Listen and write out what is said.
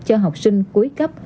cho học sinh cuối cấp